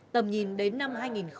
tầm nhìn đến năm hai nghìn hai mươi